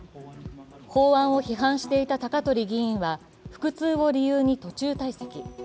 法案を批判していた高鳥議員は腹痛を理由に途中退席。